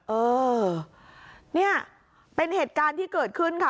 เออเนี่ยเป็นเหตุการณ์ที่เกิดขึ้นค่ะ